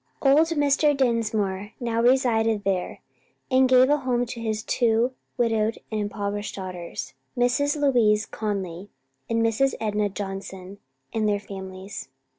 Old Mr. Dinsmore now resided there and gave a home to his two widowed and impoverished daughters Mrs. Louise Conly, and Mrs. Enna Johnson and their families.